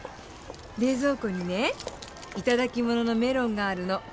冷蔵庫にね頂き物のメロンがあるの。